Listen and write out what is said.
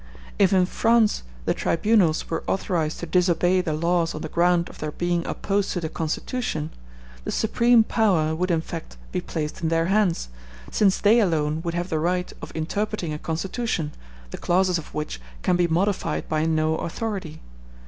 If in France the tribunals were authorized to disobey the laws on the ground of their being opposed to the constitution, the supreme power would in fact be placed in their hands, since they alone would have the right of interpreting a constitution, the clauses of which can be modified by no authority.